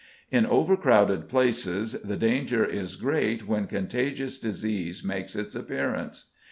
In overcrowded places the danger is great when contagious disease makes its appearance.